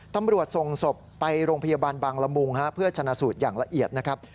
ตำรวจส่งศพไปโรงพยาบาลบางละมุงเพื่อชนะสูตรอย่างละเอียดนะครับ